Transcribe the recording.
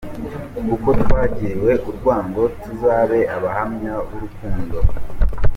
Kuko twagiriwe urwango, Tuzabe abahamya b’Urukundo.